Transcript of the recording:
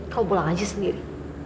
kamu pulang aja sendiri